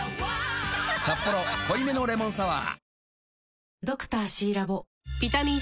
「サッポロ濃いめのレモンサワー」